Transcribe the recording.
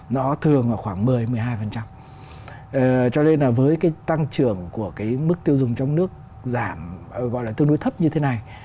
nó thường khoảng một mươi một mươi hai cho nên là với cái tăng trưởng của cái mức tiêu dùng trong nước giảm gọi là tương đối thấp như thế này